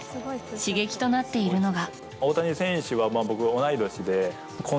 刺激となっているのが。